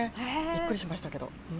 びっくりしましたけど。